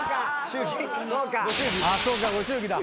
そうかご祝儀だ。